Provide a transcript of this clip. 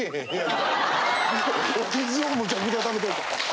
お水をむちゃくちゃ貯めてる。